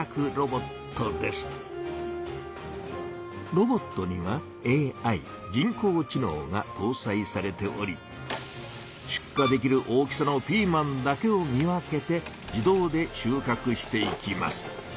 ロボットには「ＡＩ」「人工知のう」がとうさいされておりしゅっかできる大きさのピーマンだけを見分けて自動で収穫していきます。